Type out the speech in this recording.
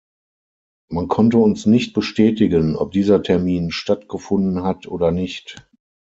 Man konnte uns nicht bestätigen, ob dieser Termin stattgefunden hat oder nicht.